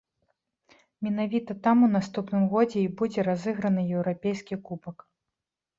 Менавіта там у наступным годзе і будзе разыграны еўрапейскі кубак.